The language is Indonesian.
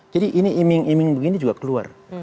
jadi ini iming iming begini juga keluar